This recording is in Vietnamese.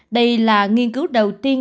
đây là nghiên cứu đầu tiên